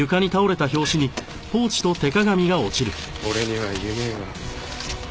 俺には夢があるんだよ。